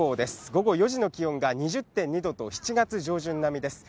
午後４時の気温が２０．２度と、７月上旬並みです。